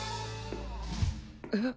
えっ！